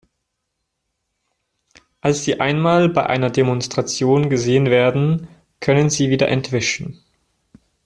Als sie einmal bei einer Demonstration gesehen werden, können sie wieder entwischen.